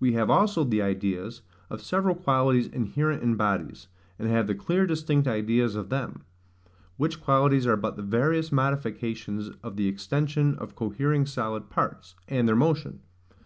We have also the ideas of several qualities inherent in bodies, and have the clear distinct ideas of them; which qualities are but the various modifications of the extension of cohering solid parts, and their motion.